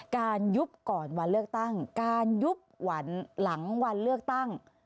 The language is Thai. ยุบก่อนวันเลือกตั้งการยุบหวันหลังวันเลือกตั้ง